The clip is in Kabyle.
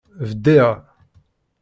Bdiɣ.